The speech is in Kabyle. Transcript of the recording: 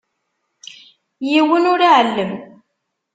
Yiwen ur iεellem.